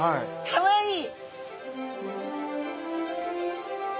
かわいい！